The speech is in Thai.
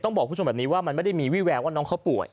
บอกคุณผู้ชมแบบนี้ว่ามันไม่ได้มีวิแววว่าน้องเขาป่วย